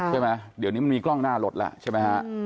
ใช่ไหมเดี๋ยวนี้มันมีกล้องหน้ารถแล้วใช่ไหมฮะ